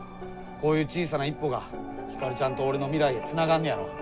こういう小さな一歩がヒカルちゃんと俺の未来へつながんねやろ！